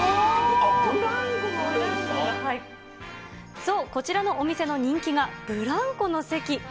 ああ、そう、こちらのお店の人気がブランコの席。